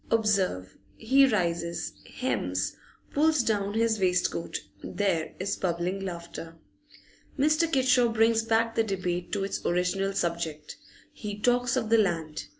Observe, he rises, hems, pulls down his waistcoat; there is bubbling laughter. Mr. Kitshaw brings back the debate to its original subject; he talks of the Land.